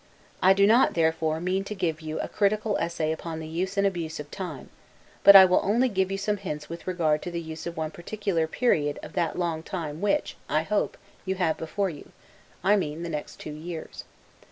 I do not, therefore, mean to give you a critical essay upon the use and abuse of time; but I will only give you some hints with regard to the use of one particular period of that long time which, I hope, you have before you; I mean, the next two years.